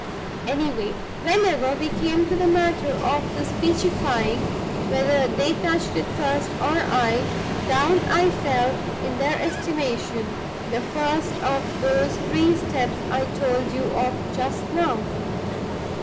Anyway, whenever we came to the matter of the speechifying (whether they touched it first or I), down I fell in their estimation the first of those three steps I told you of just now.